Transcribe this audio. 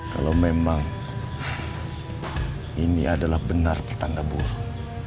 kalau memang ini adalah benar tetangga buruk